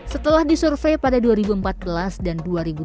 setelah disurvey pada dua ribu empat belas dan dua ribu dua puluh